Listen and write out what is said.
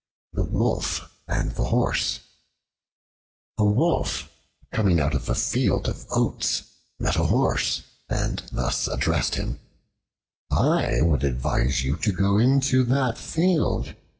The Wolf and the Horse A WOLF coming out of a field of oats met a Horse and thus addressed him: "I would advise you to go into that field.